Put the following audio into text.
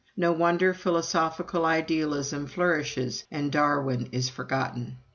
No wonder philosophical idealism flourishes and Darwin is forgotten.